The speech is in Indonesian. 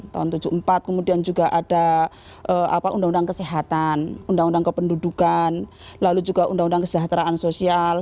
tahun seribu sembilan ratus tujuh puluh empat kemudian juga ada undang undang kesehatan undang undang kependudukan lalu juga undang undang kesejahteraan sosial